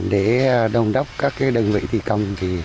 để đồng đốc các đơn vị thi công